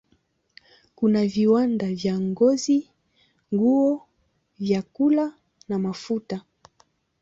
Kuna viwanda vya ngozi, nguo, vyakula na mafuta.